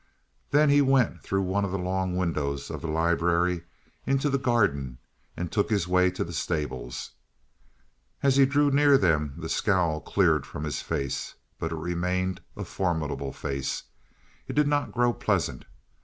Then he went through one of the long windows of the library into the garden and took his way to the stables. As he drew near them the scowl cleared from his face. But it remained a formidable face; it did not grow pleasant.